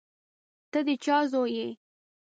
ته د چا زوی یې.